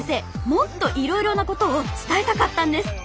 もっといろいろなことを伝えたかったんです。